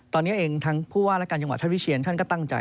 ตอนนี้เองทางผู้ว่าและการจังหวัดท่านวิเชียนท่านก็ตั้งใจ